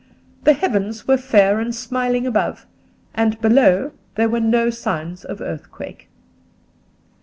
The heavens were fair and smiling above; and below there were no signs of earthquake.